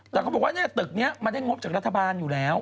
แต่เขาบอกว่าตึกนี้มันได้งบจากรัฐบาลอยู่แล้ว